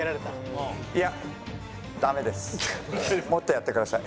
もっとやってください。